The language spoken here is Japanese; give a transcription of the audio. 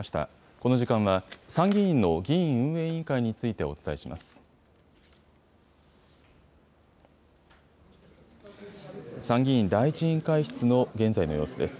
この時間は参議院の議院運営委員会についてお伝えします。